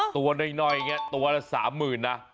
ตัวน้อยเนี่ยตัวละ๓๐๐๐๐